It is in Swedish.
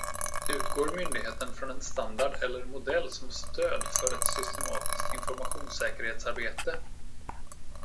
Utgår myndigheten från en standard eller modell som stöd för ett systematiskt informationssäkerhetsarbete?